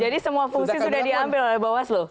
jadi semua fungsi sudah diambil oleh bawasluh